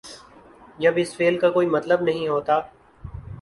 جب اس فعل کا کوئی مطلب نہیں ہوتا۔